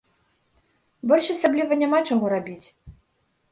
Больш асабліва няма чаго рабіць.